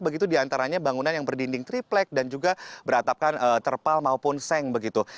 begitu diantaranya bangunan yang berdinding triplek dan juga beratapkan terpal maupun seng begitu